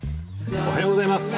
おはようございます。